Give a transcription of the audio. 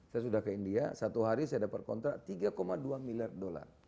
saya sudah ke india satu hari saya dapat kontrak tiga dua miliar dolar